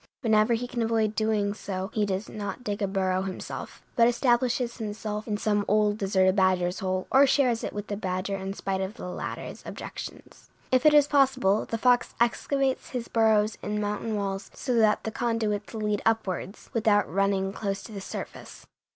Whenever he can avoid doing so he does not dig a burrow himself, but establishes himself in some old, deserted badger's hole, or shares it with the badger in spite of the latter's objections. If it is possible, the fox excavates his burrows in mountain walls, so that the conduits lead upwards, without running close to the surface.